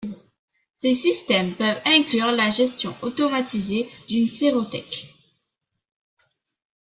Ces systèmes peuvent inclure la gestion automatisée d'une sérothèque.